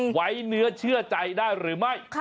ไว้เนื้อเชื่อใจได้หรือไม่